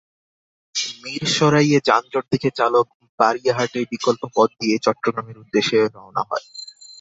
মিরসরাইয়ে যানজট দেখে চালক বারইয়াহাটে বিকল্প পথ দিয়ে চট্টগ্রামের উদ্দেশে রওনা হয়।